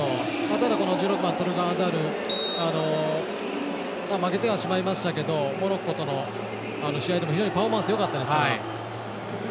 ただ、１６番トルガン・アザール負けてはしまいましたけどモロッコとの試合でも非常にパフォーマンスよかったですから。